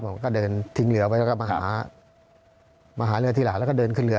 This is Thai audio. ผมก็เดินทิ้งเรือไว้แล้วก็มาหามาหาเรือทีหลังแล้วก็เดินขึ้นเรือ